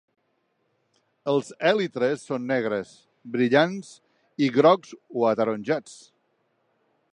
Els èlitres són negres, brillants i grocs o ataronjats.